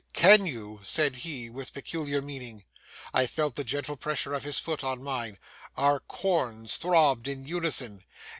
'Can you?' said he, with peculiar meaning. I felt the gentle pressure of his foot on mine; our corns throbbed in unison.